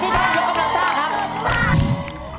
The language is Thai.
ช่วยที่ต้านยกกำลังซ่าครับ